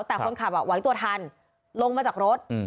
แต่คนขับอ่ะไว้ตัวทันลงมาจากรถอืม